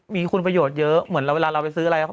มีคุณประโยชน์เยอะเหมือนเวลาเราไปซื้ออะไร